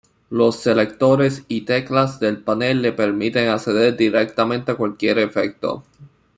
Los selectores y teclas del panel le permiten acceder directamente a cualquier efecto.